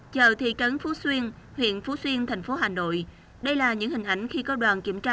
chợ thị trấn phú xuyên huyện phú xuyên thành phố hà nội đây là những hình ảnh khi có đoàn kiểm tra